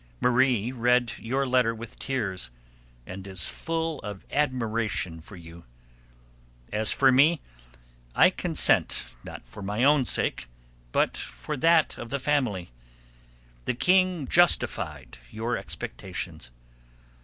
Marie read your letter with tears, and is full of admiration for you. As for me, I consent, not for my own sake, but for that of the family. The King justified your expectations.